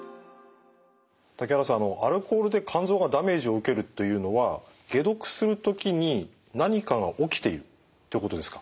竹原さんあのアルコールで肝臓がダメージを受けるというのは解毒する時に何かが起きているということですか？